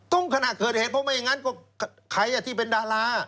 ขณะเกิดเหตุเพราะไม่อย่างนั้นก็ใครที่เป็นดารา